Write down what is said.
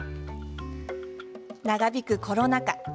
長引くコロナ禍。